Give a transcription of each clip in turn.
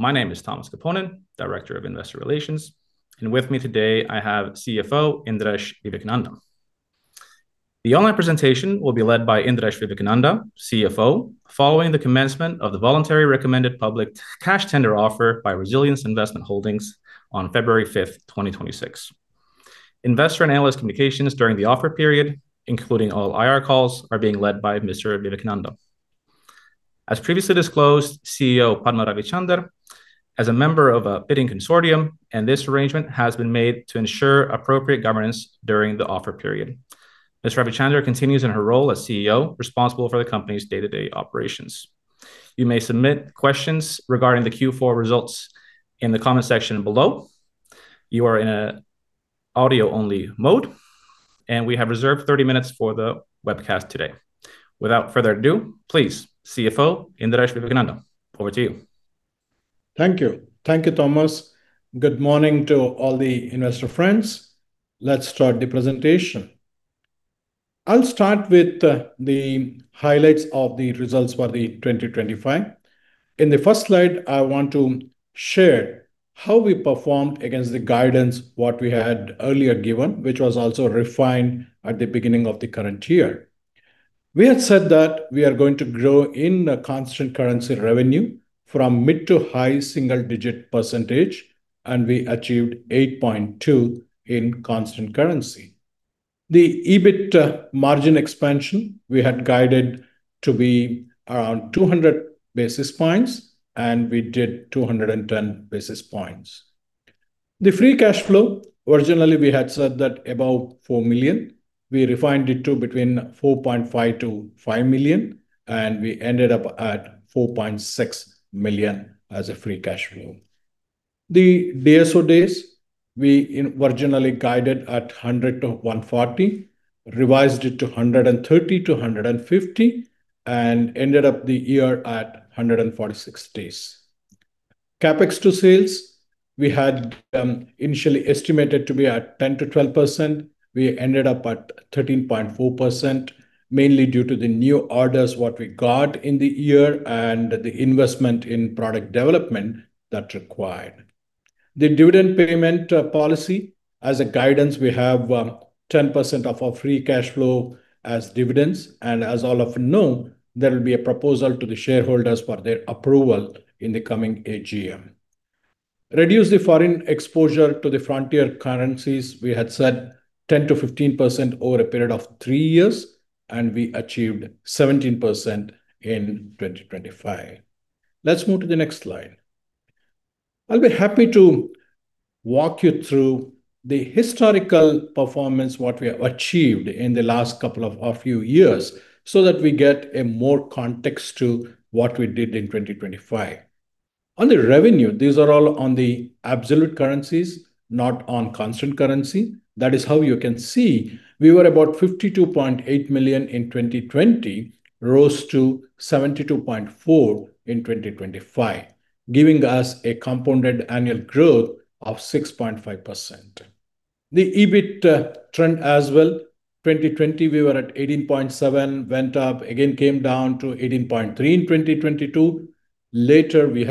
My name is Thomas Koponen, Director of Investor Relations, and with me today I have CFO, Indiresh Vivekananda. The online presentation will be led by Indiresh Vivekananda, CFO, following the commencement of the voluntary recommended public cash tender offer by Resilience Investment Holdings Ltd on February 5th, 2026. Investor and analyst communications during the offer period, including all IR calls, are being led by Mr. Vivekananda. As previously disclosed, CEO Padma Ravichander, as a member of a bidding consortium, and this arrangement has been made to ensure appropriate governance during the offer period. Ms. Ravichander continues in her role as CEO, responsible for the company's day-to-day operations. You may submit questions regarding the Q4 results in the comment section below. You are in a audio-only mode, and we have reserved 30 minutes for the webcast today. Without further ado, please, CFO Indiresh Vivekananda, over to you. Thank you. Thank you, Thomas. Good morning to all the investor friends. Let's start the presentation. I'll start with the highlights of the results for 2025. In the first slide, I want to share how we performed against the guidance, what we had earlier given, which was also refined at the beginning of the current year. We had said that we are going to grow in a constant currency revenue from mid to high single-digit percentage, and we achieved 8.2% in constant currency. The EBIT margin expansion, we had guided to be around 200 basis points, and we did 210 basis points. The free cash flow, originally we had said that about 4 million. We refined it to between 4.5 million-5 million, and we ended up at 4.6 million as a free cash flow. The DSO days, we originally guided at 100–140, revised it to 130–150, and ended up the year at 146 days. CapEx to sales, we had initially estimated to be at 10%-12%. We ended up at 13.4%, mainly due to the new orders what we got in the year and the investment in product development that required. The dividend payment policy, as a guidance, we have 10% of our free cash flow as dividends, and as all of you know, there will be a proposal to the shareholders for their approval in the coming AGM. Reduce the foreign exposure to the frontier currencies, we had said 10%-15% over a period of three years, and we achieved 17% in 2025. Let's move to the next slide. I'll be happy to walk you through the historical performance, what we have achieved in the last couple of a few years, so that we get a more context to what we did in 2025. On the revenue, these are all on the absolute currencies, not on constant currency. That is how you can see we were about 52.8 million in 2020, rose to 72.4 million in 2025, giving us a compounded annual growth of 6.5%. The EBIT trend as well, 2020, we were at 18.7 million, went up again, came down to 18.3 million in 2022. Later, we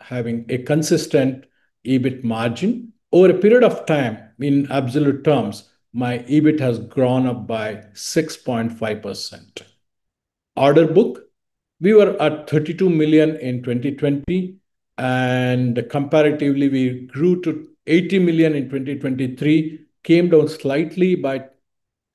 having a consistent EBIT margin. Over a period of time, in absolute terms, my EBIT has grown up by 6.5%. Order book, we were at 32 million in 2020, and comparatively, we grew to 80 million in 2023, came down slightly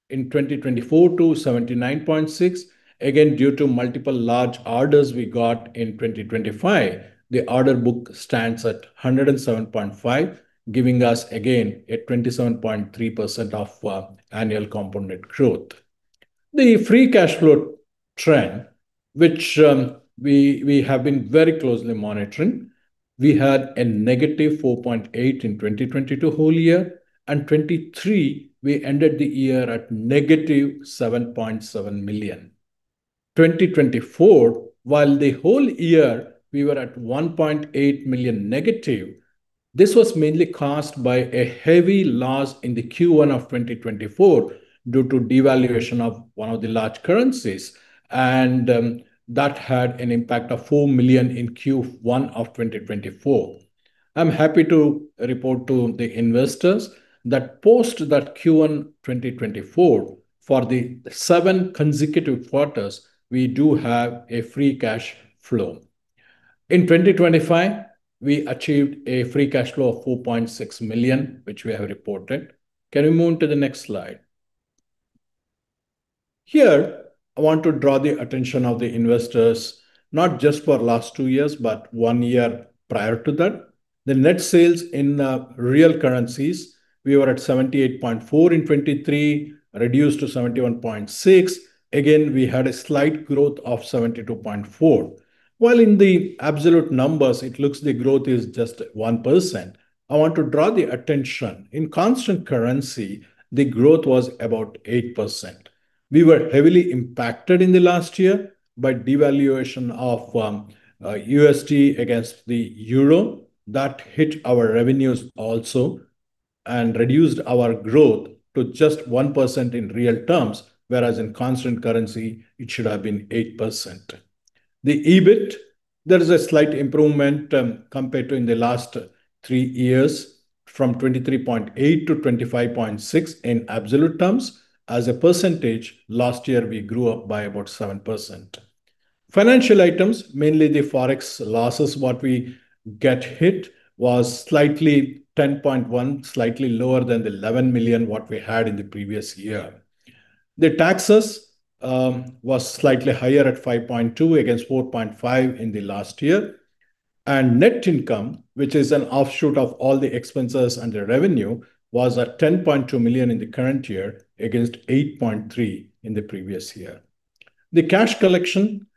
in 2024 to 79.6 million. Again, due to multiple large orders we got in 2025, the order book stands at 107.5 million, giving us again a 27.3% of annual compounded growth. The free cash flow trend, which we have been very closely monitoring, we had a -4.8 million in 2022 whole year, and 2023, we ended the year at -7.7 million. 2024, while the whole year we were at 1.8 million negative, this was mainly caused by a heavy loss in the Q1 of 2024 due to devaluation of one of the large currencies. That had an impact of 4 million in Q1 of 2024. I'm happy to report to the investors that post that Q1 2024, for the seven consecutive quarters, we do have a free cash flow. In 2025, we achieved a free cash flow of 4.6 million, which we have reported. Can we move on to the next slide? Here, I want to draw the attention of the investors, not just for last two years, but one year prior to that. The net sales in real currencies, we were at 78.4 in 2023, reduced to 71.6. We had a slight growth of 72.4. While in the absolute numbers, it looks the growth is just 1%, I want to draw the attention, in constant currency, the growth was about 8%. We were heavily impacted in the last year by devaluation of USD against the Euro. That hit our revenues also. Reduced our growth to just 1% in real terms, whereas in constant currency, it should have been 8%. EBIT, there is a slight improvement compared to in the last three years, from 23.8%-25.6%in absolute terms. As a percentage, last year we grew up by about 7%. Financial items, mainly the forex losses, what we get hit was slightly 10.1, slightly lower than the 11 million what we had in the previous year. The taxes was slightly higher at 5.2 against 4.5 in the last year. Net income, which is an offshoot of all the expenses and the revenue, was at 10.2 million in the current year against 8.3 in the previous year. The cash collection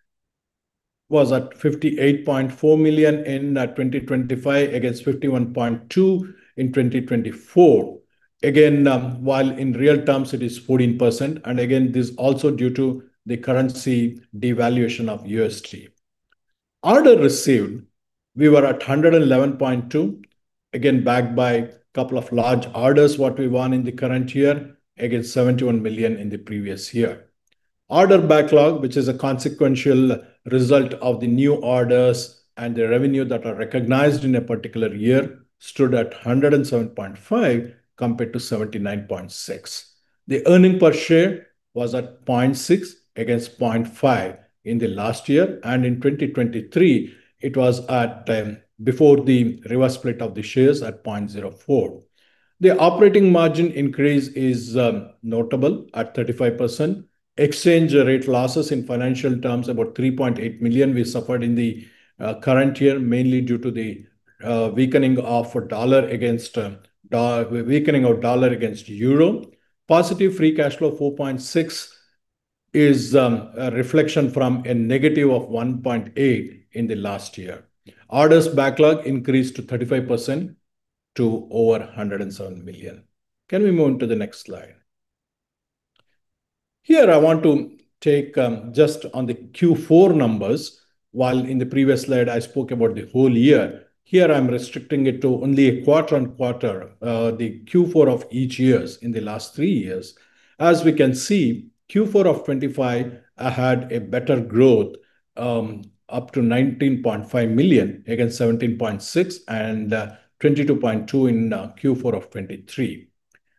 was at 58.4 million in 2025, against 51.2 million in 2024. Again, while in real terms it is 14%, and again, this also due to the currency devaluation of USD. Order received, we were at 111.2 million. Again, backed by couple of large orders what we won in the current year, against 71 million in the previous year. Order backlog, which is a consequential result of the new orders and the revenue that are recognized in a particular year, stood at 107.5 million, compared to 79.6 million. The earnings per share was at 0.6 against 0.5 in the last year, and in 2023, it was at, before the reverse split of the shares at 0.04. The operating margin increase is notable at 35%. Exchange rate losses in financial terms, about 3.8 million we suffered in the current year, mainly due to the weakening of dollar against euro. Positive free cash flow, 4.6, is a reflection from a -1.8 in the last year. Orders backlog increased to 35% to over 107 million. Can we move on to the next slide? Here I want to take just on the Q4 numbers, while in the previous slide I spoke about the whole year. Here, I'm restricting it to only a quarter on quarter, the Q4 of each years in the last three years. Q4 of 2025, I had a better growth, up to 19.5 million, against 17.6 million and 22.2 million in Q4 of 2023.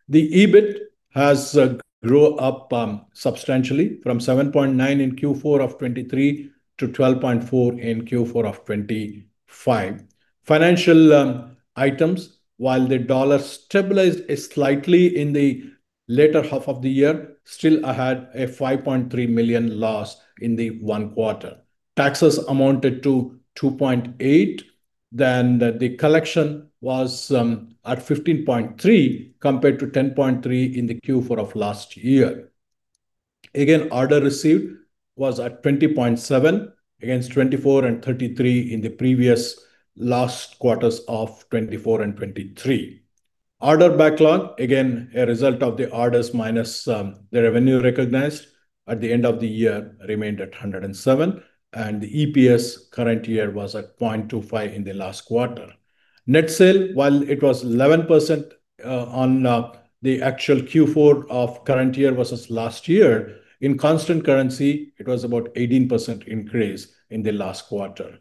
The EBIT has grew up substantially from 7.9 million in Q4 of 2023 to 12.4 million in Q4 of 2025. Financial items, while the dollar stabilized slightly in the latter half of the year, still I had a 5.3 million loss in the one quarter. Taxes amounted to 2.8 million. The collection was at 15.3 million, compared to 10.3 million in the Q4 of last year. Again, order received was at 20.7 million, against 24 million and 33 million in the previous last quarters of 2024 and 2023. Order Backlog, again, a result of the orders minus the revenue recognized at the end of the year, remained at 107. The EPS current year was at 0.25 in the last quarter. Net sale, while it was 11% on the actual Q4 of current year versus last year, in constant currency, it was about 18% increase in the last quarter.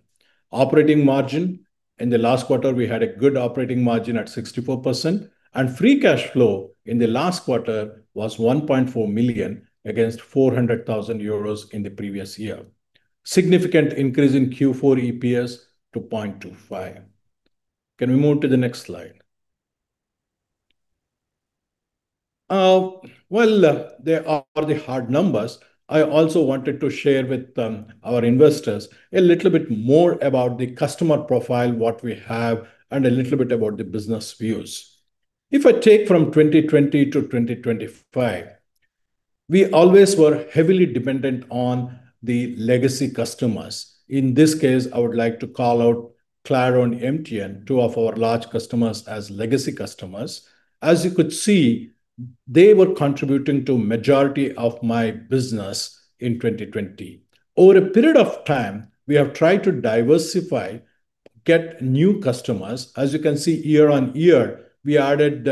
Operating margin, in the last quarter, we had a good operating margin at 64%. Free cash flow in the last quarter was 1.4 million, against 400,000 euros in the previous year. Significant increase in Q4 EPS to 0.25. Can we move to the next slide? Well, there are the hard numbers. I also wanted to share with our investors a little bit more about the customer profile, what we have, and a little bit about the business views. If I take from 2020 to 2025, we always were heavily dependent on the legacy customers. In this case, I would like to call out Claro and MTN, two of our large customers, as legacy customers. As you could see, they were contributing to majority of my business in 2020. Over a period of time, we have tried to diversify, get new customers. As you can see, year-on-year, we added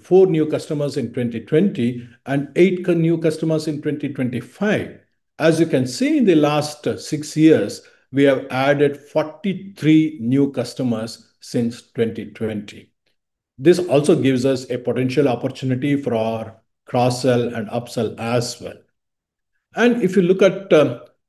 four new customers in 2020 and eight new customers in 2025. As you can see, in the last six years, we have added 43 new customers since 2020. This also gives us a potential opportunity for our cross-sell and upsell as well. If you look at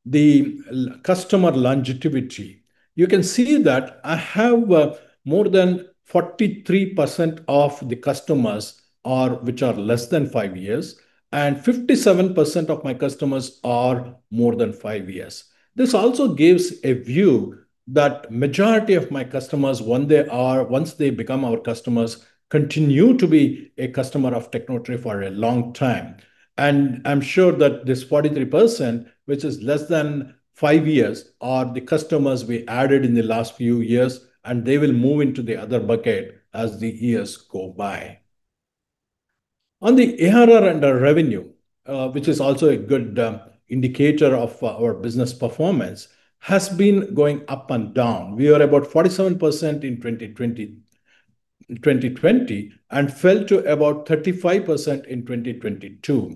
the customer longevity, you can see that I have more than 43% of the customers are less than five years, and 57% of my customers are more than five years. This also gives a view that majority of my customers, once they become our customers, continue to be a customer of Tecnotree for a long time. I'm sure that this 43%, which is less than five years, are the customers we added in the last few years, and they will move into the other bucket as the years go by. On the ARR and our revenue, which is also a good indicator of our business performance, has been going up and down. We are about 47% in 2020, and fell to about 35% in 2022.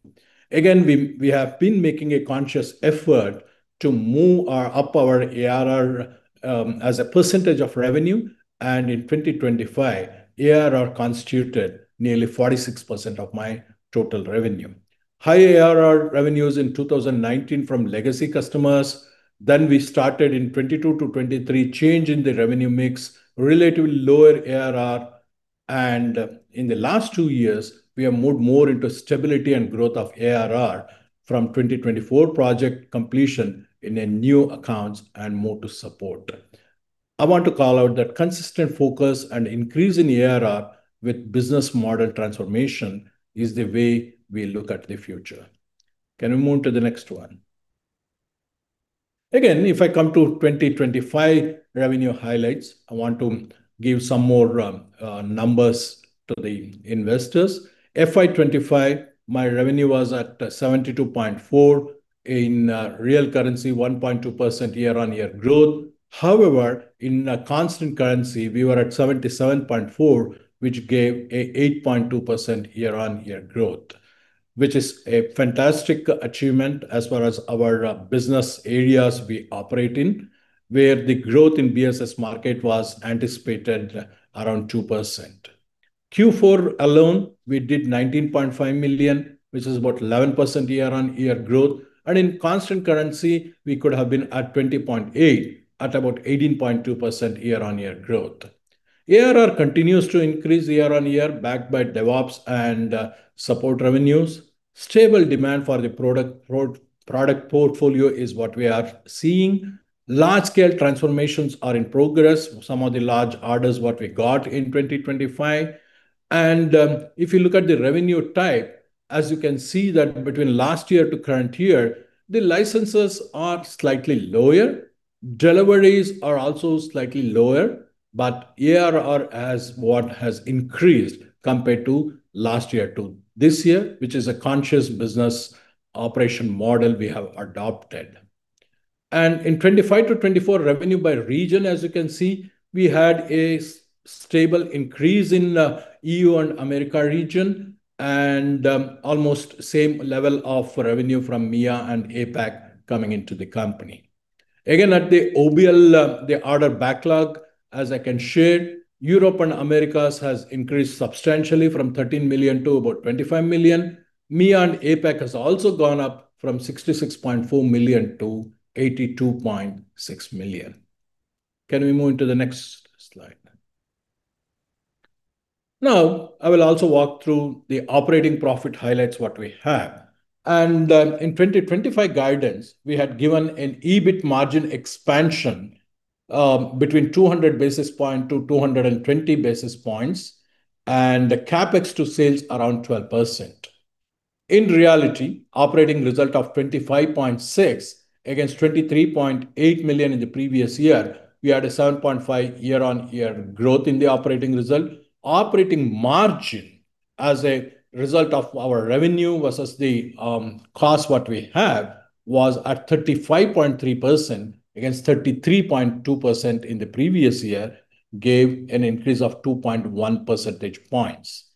We have been making a conscious effort to move up our ARR as a percentage of revenue. In 2025, ARR constituted nearly 46% of my total revenue. High ARR revenues in 2019 from legacy customers. We started in 2022-2023, change in the revenue mix, relatively lower ARR. In the last two years, we have moved more into stability and growth of ARR from 2024 project completion in a new accounts and more to support. I want to call out that consistent focus and increase in ARR with business model transformation is the way we look at the future. Can we move to the next one? If I come to 2025 revenue highlights, I want to give some more numbers to the investors. FY 2025, my revenue was at 72.4. In real currency, 1.2% year-on-year growth. However, in a constant currency, we were 77.4, which gave a 8.2% year-on-year growth, which is a fantastic achievement as far as our business areas we operate in, where the growth in BSS market was anticipated around 2%. Q4 alone, we did 19.5 million, which is about 11% year-on-year growth, and in constant currency, we could have been at 20.8 million, at about 18.2% year-on-year growth. ARR continues to increase year-on-year, backed by DevOps and support revenues. Stable demand for the product portfolio is what we are seeing. Large-scale transformations are in progress, some of the large orders what we got in 2025. If you look at the revenue type, as you can see that between last year to current year, the licenses are slightly lower, deliveries are also slightly lower, but ARR as what has increased compared to last year to this year, which is a conscious business operation model we have adopted. In 2025 to 2024 revenue by region, as you can see, we had a stable increase in E.U. and Americas region, and almost same level of revenue from MEA and APAC coming into the company. At the OBL, the order backlog, as I can share, Europe and Americas has increased substantially from 13 million to about 25 million. MEA and APAC has also gone up from 66.4 million to 82.6 million. Can we move into the next slide? Now, I will also walk through the operating profit highlights, what we have. In 2025 guidance, we had given an EBIT margin expansion, between 200 basis point to 220 basis points, and the CapEx to sales around 12%. In reality, operating result of 25.6 against 23.8 million in the previous year, we had a 7.5% year-on-year growth in the operating result. Operating margin as a result of our revenue versus the cost what we had, was at 35.3% against 33.2% in the previous year, gave an increase of 2.1 percentage points.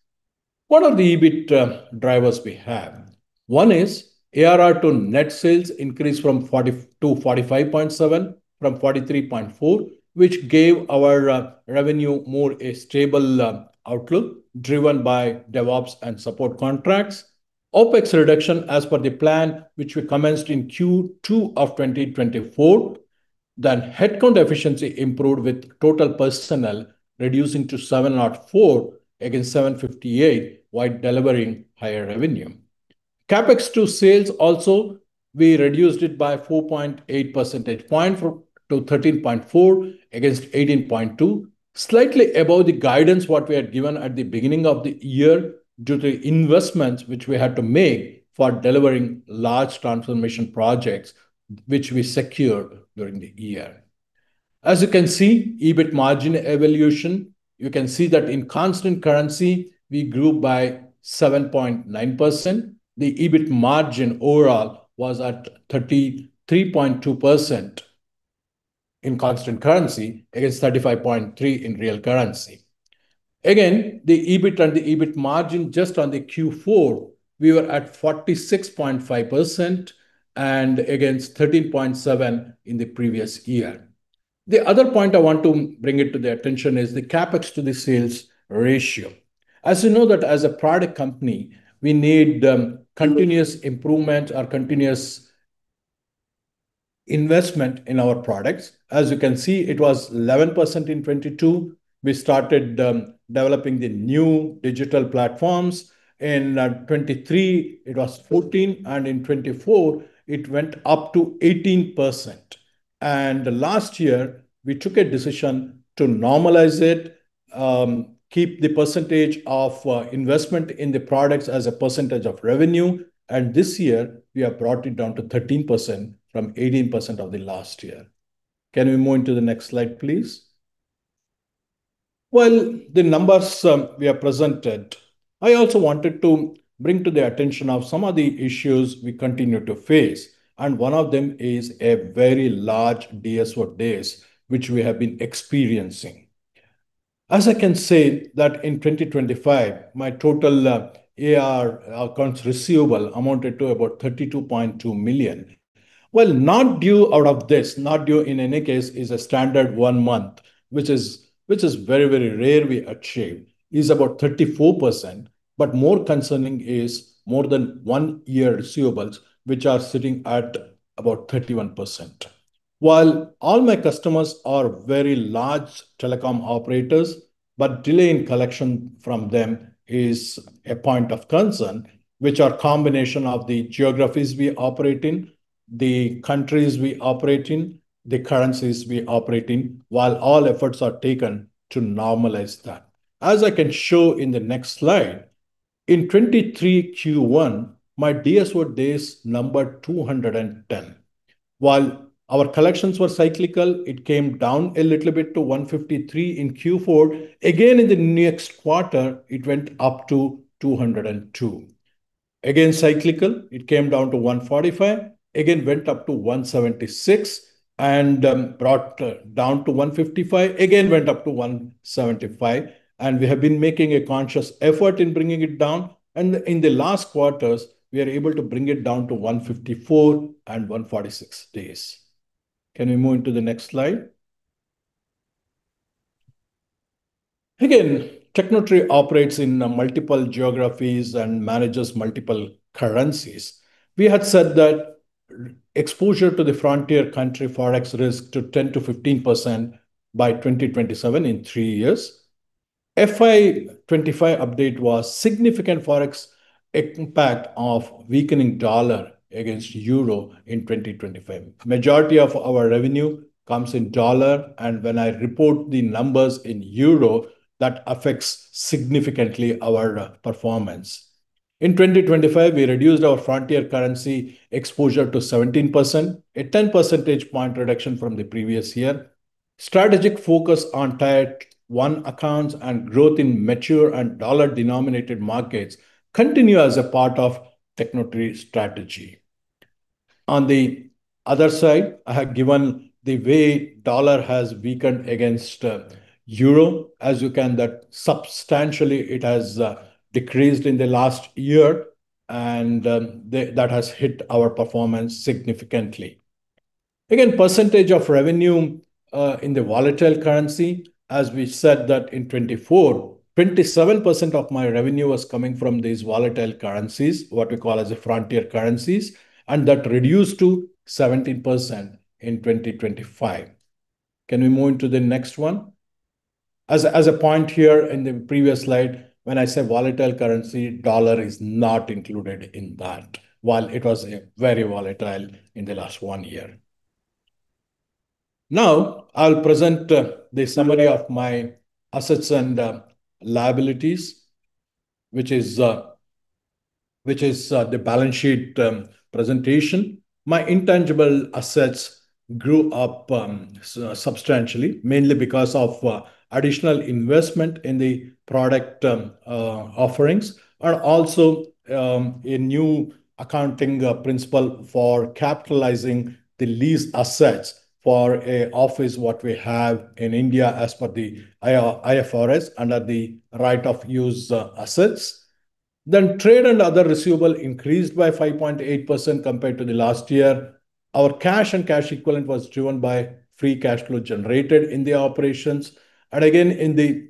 What are the EBIT drivers we have? One is ARR to net sales increased from 45.7% from 43.4% which gave our revenue more a stable outlook, driven by DevOps and support contracts. OpEx reduction as per the plan, which we commenced in Q2 of 2024. Headcount efficiency improved, with total personnel reducing to 704 against 758, while delivering higher revenue. CapEx to sales also, we reduced it by 4.8 percentage point to 13.4% against 18.2%. Slightly above the guidance, what we had given at the beginning of the year, due to investments which we had to make for delivering large transformation projects, which we secured during the year. As you can see, EBIT margin evolution, you can see that in constant currency, we grew by 7.9%. The EBIT margin overall was at 33.2% in constant currency, against 35.3% in real currency. The EBIT and the EBIT margin, just on the Q4, we were at 46.5% and against 13.7% in the previous year. The other point I want to bring it to the attention is the CapEx to the sales ratio. As you know, that as a product company, we need continuous improvement or continuous investment in our products. As you can see, it was 11% in 2022. We started developing the new digital platforms. In 2023, it was 14%, and in 2024, it went up to 18%. Last year, we took a decision to normalize it, keep the percentage of investment in the products as a percentage of revenue, and this year we have brought it down to 13% from 18% of the last year. Can we move into the next slide, please. Well, the numbers we have presented, I also wanted to bring to the attention of some of the issues we continue to face, and one of them is a very large DSO days, which we have been experiencing. As I can say, that in 2025, my total AR, accounts receivable, amounted to about 32.2 million. Well, not due out of this, not due in any case, is a standard one month, which is very, very rarely achieved, is about 34%. More concerning is more than one-year receivables, which are sitting at about 31%. While all my customers are very large telecom operators, but delay in collection from them is a point of concern, which are combination of the geographies we operate in, the countries we operate in, the currencies we operate in, while all efforts are taken to normalize that. As I can show in the next slide, in 2023 Q1, my DSO days numbered 210. While our collections were cyclical, it came down a little bit to 153 in Q4. Again, in the next quarter, it went up to 202. Again, cyclical, it came down to 145, again, went up to 176, and brought down to 155, again, went up to 175. We have been making a conscious effort in bringing it down, in the last quarters, we are able to bring it down to 154 and 146 days. Can we move into the next slide? Tecnotree operates in multiple geographies and manages multiple currencies. We had said that exposure to the frontier country forex risk to 10%-15% by 2027 in three years. FY 2025 update was significant forex impact of weakening U.S. dollar against Euro in 2025. Majority of our revenue comes in U.S. dollar, and when I report the numbers in Euro, that affects significantly our performance. In 2025, we reduced our frontier currency exposure to 17%, a 10 percentage point reduction from the previous year. Strategic focus on tier one accounts and growth in mature and U.S. dollar-denominated markets continue as a part of Tecnotree strategy. On the other side, I have given the way the U.S. dollar has weakened against EUR. As you can, that substantially it has decreased in the last year, that has hit our performance significantly. Again, percentage of revenue in the volatile currency, as we said that in 2024, 27% of my revenue was coming from these volatile currencies, what we call as the frontier currencies, that reduced to 17% in 2025. Can we move into the next one? As a point here in the previous slide, when I say volatile currency, the U.S. dollar is not included in that, while it was very volatile in the last one year. Now, I'll present the summary of my assets and liabilities, which is the balance sheet presentation. My intangible assets grew up substantially, mainly because of additional investment in the product offerings, and also a new accounting principle for capitalizing the lease assets for a office what we have in India as per the IFRS, under the Right-of-Use assets. Trade and other receivable increased by 5.8% compared to the last year. Our cash and cash equivalent was driven by free cash flow generated in the operations. Again, in the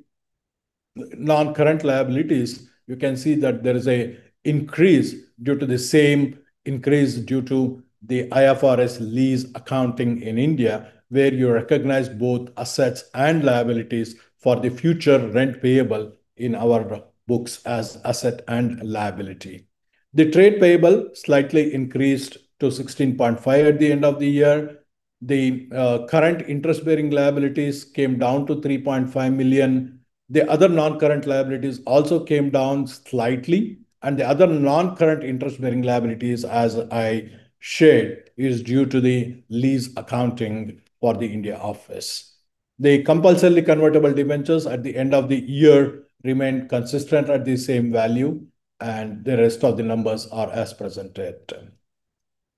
non-current liabilities, you can see that there is a increase due to the same increase due to the IFRS lease accounting in India, where you recognize both assets and liabilities for the future rent payable in our books as asset and liability. The trade payable slightly increased to 16.5 at the end of the year. The current interest-bearing liabilities came down to 3.5 million. The other non-current liabilities also came down slightly, and the other non-current interest-bearing liabilities, as I shared, is due to the lease accounting for the India office. The compulsorily convertible debentures at the end of the year remained consistent at the same value. The rest of the numbers are as presented.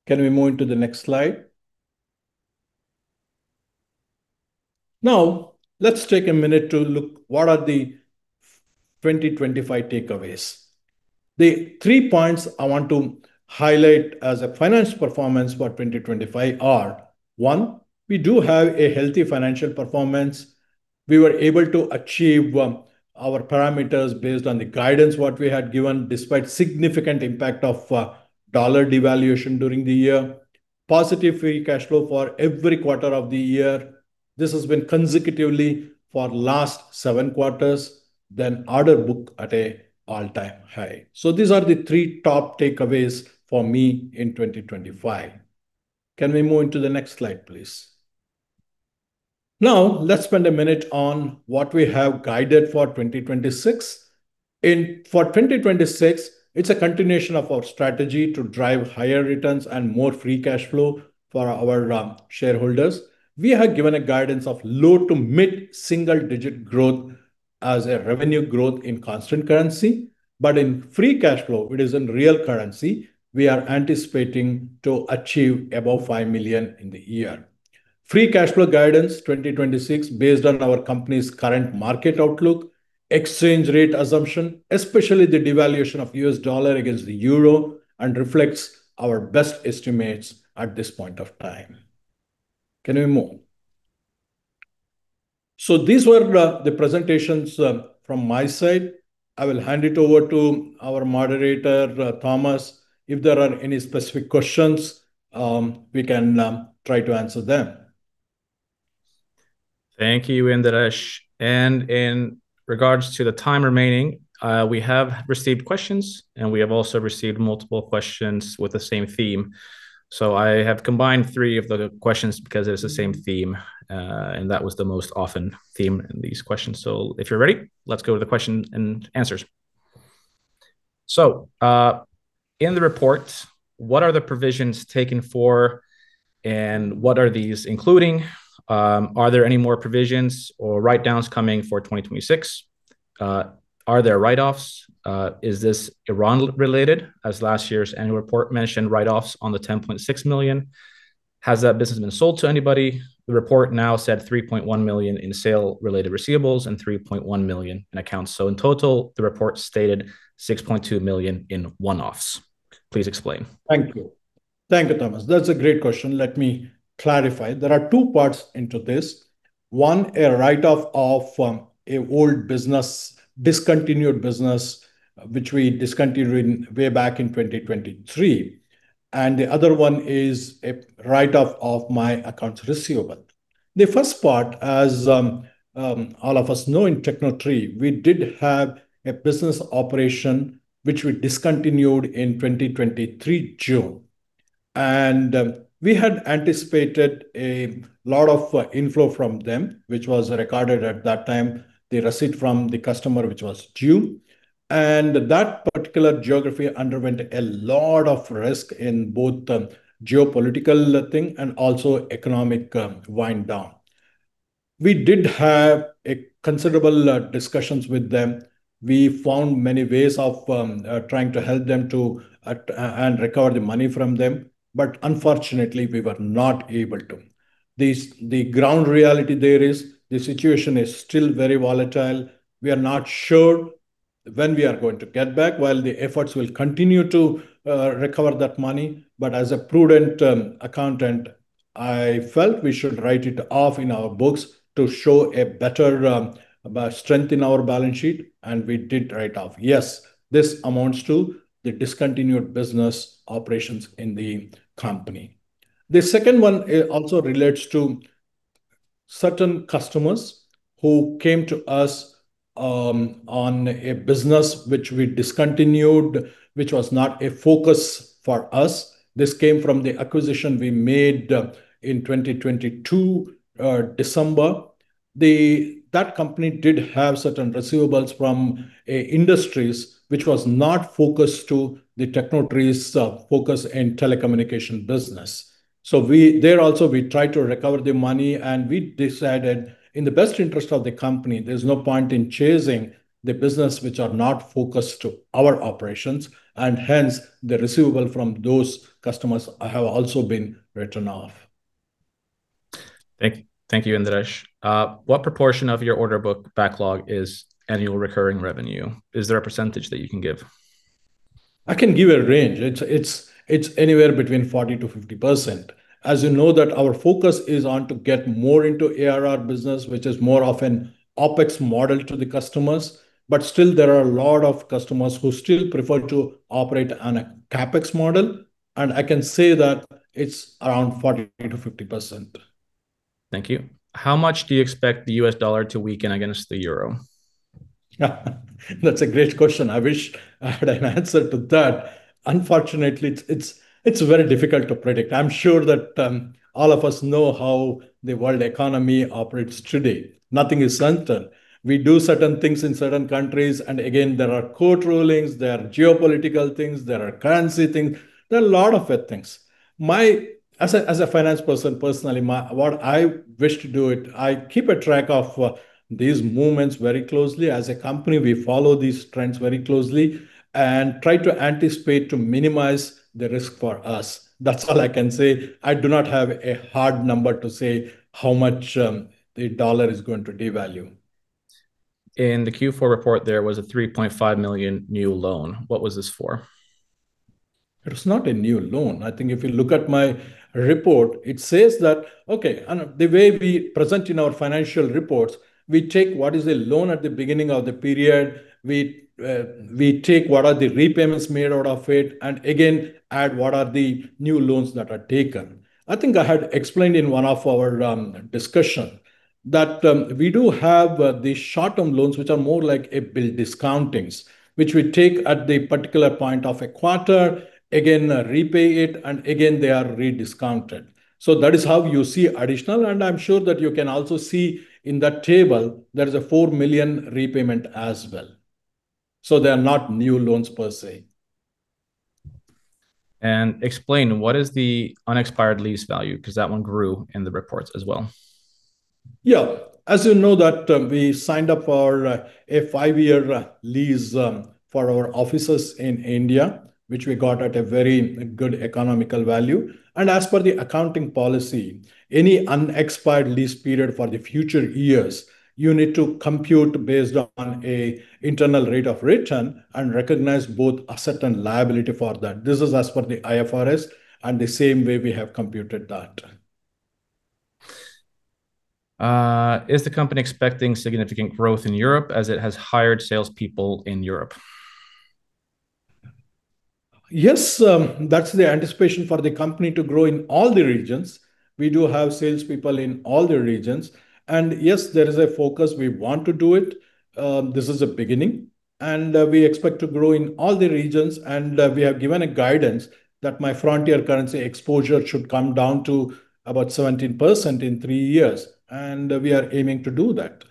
Can we move into the next slide? Now, let's take a minute to look what are the 2025 takeaways. The three points I want to highlight as a financial performance for 2025 are: one, we do have a healthy financial performance. We were able to achieve our parameters based on the guidance what we had given, despite significant impact of dollar devaluation during the year. Positive free cash flow for every quarter of the year. This has been consecutively for last seven quarters, then order book at a all-time high. These are the three top takeaways for me in 2025. Can we move into the next slide, please? Let's spend a minute on what we have guided for 2026. In for 2026, it's a continuation of our strategy to drive higher returns and more free cash flow for our shareholders. We have given a guidance of low to mid-single-digit growth as a revenue growth in constant currency. In free cash flow, it is in real currency, we are anticipating to achieve above 5 million in the year. Free cash flow guidance 2026, based on our company's current market outlook, exchange rate assumption, especially the devaluation of U.S. dollar against the euro, and reflects our best estimates at this point of time. Can we move? These were the presentations from my side. I will hand it over to our moderator, Thomas. If there are any specific questions, we can try to answer them. Thank you, Indiresh. In regards to the time remaining, we have received questions, and we have also received multiple questions with the same theme. I have combined three of the questions because it's the same theme, and that was the most often theme in these questions. If you're ready, let's go to the question and answers. In the report, what are the provisions taken for, and what are these including? Are there any more provisions or write-downs coming for 2026? Are there write-offs? Is this Iran-related, as last year's annual report mentioned write-offs on the 10.6 million. Has that business been sold to anybody? The report now said 3.1 million in sale-related receivables and 3.1 million in accounts. In total, the report stated 6.2 million in one-offs. Please explain. Thank you. Thank you, Thomas. That's a great question. Let me clarify. There are two parts into this. One, a write-off of a old business, discontinued business, which we discontinued in, way back in 2023, and the other one is a write-off of my accounts receivable. The first part, as all of us know, in Tecnotree, we did have a business operation which we discontinued in 2023, June. We had anticipated a lot of inflow from them, which was recorded at that time, the receipt from the customer, which was due. That particular geography underwent a lot of risk in both the geopolitical thing and also economic wind down. We did have a considerable discussions with them. We found many ways of trying to help them to and recover the money from them, unfortunately, we were not able to. The ground reality there is the situation is still very volatile. We are not sure when we are going to get back, while the efforts will continue to recover that money. As a prudent accountant, I felt we should write it off in our books to show a better strength in our balance sheet, and we did write off. Yes, this amounts to the discontinued business operations in the company. The second one also relates to certain customers who came to us on a business which we discontinued, which was not a focus for us. This came from the acquisition we made in 2022 December. That company did have certain receivables from industries which was not focused to the Tecnotree's focus in telecommunication business. There also, we tried to recover the money, and we decided, in the best interest of the company, there's no point in chasing the business which are not focused to our operations, hence, the receivable from those customers have also been written off. Thank you, Indiresh. What proportion of your order book backlog is annual recurring revenue? Is there a percentage that you can give? I can give a range. It's anywhere between 40%-50%. As you know, that our focus is on to get more into ARR business, which is more of an OpEx model to the customers, but still there are a lot of customers who still prefer to operate on a CapEx model. I can say that it's around 40%-50%. Thank you. How much do you expect the U.S. dollar to weaken against the euro? That's a great question. I wish I had an answer to that. Unfortunately, it's very difficult to predict. I'm sure that all of us know how the world economy operates today. Nothing is certain. We do certain things in certain countries. Again, there are court rulings, there are geopolitical things, there are currency things. There are a lot of things. As a finance person, personally, what I wish to do it, I keep a track of these movements very closely. As a company, we follow these trends very closely and try to anticipate to minimize the risk for us. That's all I can say. I do not have a hard number to say how much the dollar is going to devalue. In the Q4 report, there was a 3.5 million new loan. What was this for? It's not a new loan. I think if you look at my report, it says that. The way we present in our financial reports, we take what is a loan at the beginning of the period, we take what are the repayments made out of it, and again, add what are the new loans that are taken. I think I had explained in one of our discussion that we do have these short-term loans, which are more like a bill discountings, which we take at the particular point of a quarter, again, repay it, and again, they are rediscounted. That is how you see additional, and I'm sure that you can also see in that table there is a 4 million repayment as well. They are not new loans per se. And explain what is the unexpired lease value? Because that one grew in the reports as well. As you know, that we signed up for a five-year lease for our offices in India, which we got at a very good economical value. As per the accounting policy, any unexpired lease period for the future years, you need to compute based on a Internal Rate of Return and recognize both asset and liability for that. This is as per the IFRS. The same way we have computed that. Is the company expecting significant growth in Europe, as it has hired salespeople in Europe? Yes, that's the anticipation for the company to grow in all the regions. We do have salespeople in all the regions, and yes, there is a focus. We want to do it. This is a beginning, and we expect to grow in all the regions. We have given a guidance that my frontier currency exposure should come down to about 17% in three years, and we are aiming to do that.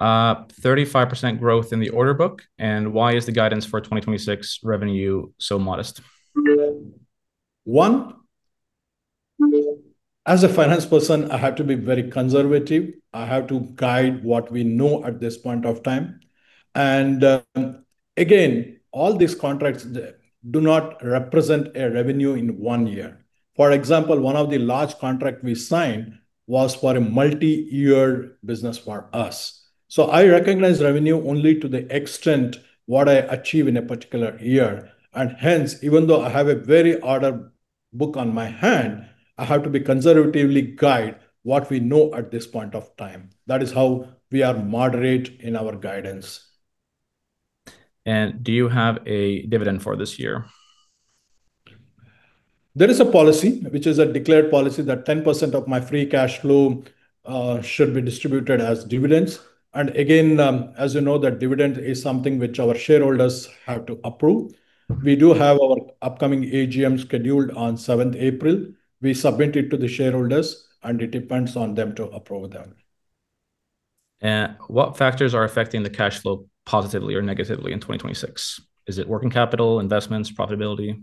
35% growth in the order book, and why is the guidance for 2026 revenue so modest? One, as a finance person, I have to be very conservative. I have to guide what we know at this point of time. Again, all these contracts do not represent a revenue in one year. For example, one of the large contract we signed was for a multi-year business for us. I recognize revenue only to the extent what I achieve in a particular year, and hence, even though I have a very order book on my hand, I have to be conservatively guide what we know at this point of time. That is how we are moderate in our guidance. Do you have a dividend for this year? There is a policy, which is a declared policy, that 10% of my free cash flow should be distributed as dividends. Again, as you know, that dividend is something which our shareholders have to approve. We do have our upcoming AGM scheduled on 7th April. We submit it to the shareholders, and it depends on them to approve that. What factors are affecting the cash flow positively or negatively in 2026? Is it working capital, investments, profitability?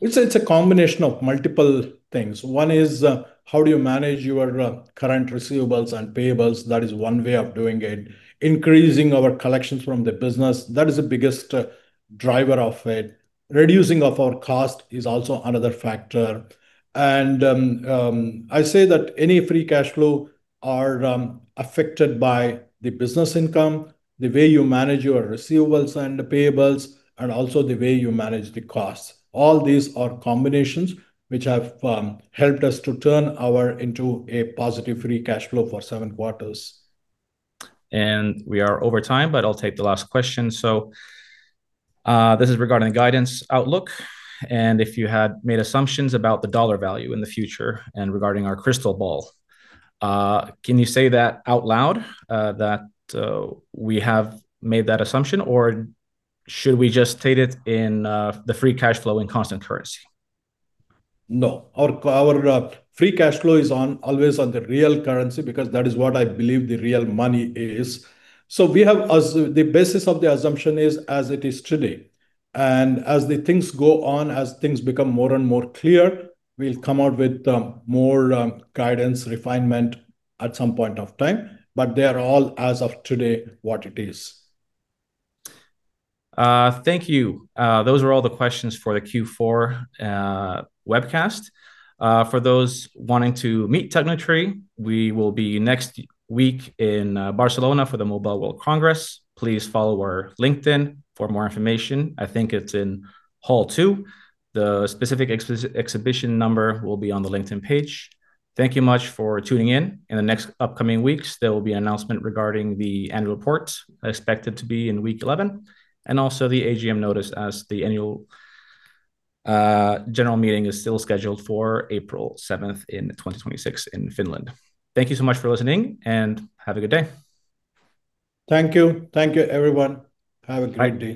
It's a combination of multiple things. One is, how do you manage your current receivables and payables? That is one way of doing it. Increasing our collections from the business, that is the biggest driver of it. Reducing of our cost is also another factor. I say that any free cash flow are affected by the business income, the way you manage your receivables and payables, and also the way you manage the costs. All these are combinations which have helped us to turn our into a positive free cash flow for seven quarters. We are over time, but I'll take the last question. This is regarding the guidance outlook, and if you had made assumptions about the dollar value in the future and regarding our crystal ball. Can you say that out loud that we have made that assumption, or should we just state it in the free cash flow in constant currency? No. Our free cash flow is on, always on the real currency because that is what I believe the real money is. The basis of the assumption is as it is today, and as the things go on, as things become more and more clear, we'll come out with more guidance refinement at some point of time. They are all, as of today, what it is. Thank you. Those were all the questions for the Q4 webcast. For those wanting to meet Tecnotree, we will be next week in Barcelona for the Mobile World Congress. Please follow our LinkedIn for more information. I think it's in Hall 2. The specific exhibition number will be on the LinkedIn page. Thank you much for tuning in. In the next upcoming weeks, there will be an announcement regarding the annual report, expected to be in week 11, and also the AGM notice, as the annual general meeting is still scheduled for April 7th in 2026 in Finland. Thank you so much for listening, and have a good day. Thank you. Thank you, everyone. Have a great day.